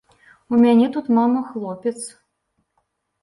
У мяне тут мама, хлопец.